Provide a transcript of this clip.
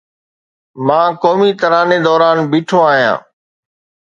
مان قومي تراني دوران بيٺو آهيان